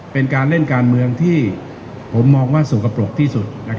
เป็นการเล่นการเมืองที่ผมมองว่าสกปรกที่สุด